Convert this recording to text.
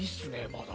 まだ。